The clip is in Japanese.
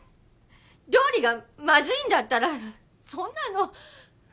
料理がまずいんだったらそんなの。